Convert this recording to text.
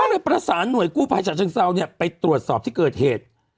ก็เลยประสานหน่วยกู้ภัยฉะเชิงเซาเนี่ยไปตรวจสอบที่เกิดเหตุ